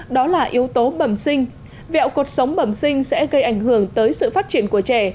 đó là yếu tố bẩm sinh vẹo cuộc sống bẩm sinh sẽ gây ảnh hưởng tới sự phát triển của trẻ